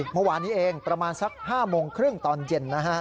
เมื่อวานนี้เองประมาณสัก๕โมงครึ่งตอนเย็นนะฮะ